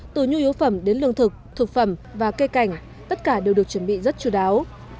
từ nhu yếu phẩm đến lương thực thực phẩm và cây cảnh tất cả đều được chuẩn bị rất chú đáo